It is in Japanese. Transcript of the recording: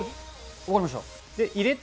分かりました。